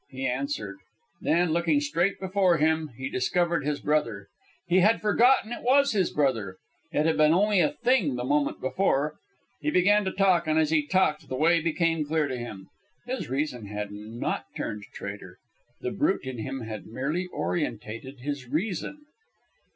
He answered. Then, looking straight before him, he discovered his brother. He had forgotten it was his brother. It had been only a thing the moment before. He began to talk, and as he talked the way became clear to him. His reason had not turned traitor. The brute in him had merely orientated his reason.